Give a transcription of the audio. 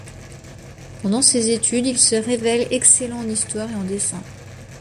Pendant ses études, il se révèle excellent en histoire et en dessin.